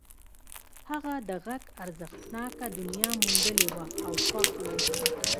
هغه د غږ ارزښتناکه دنيا موندلې وه او خوښ و.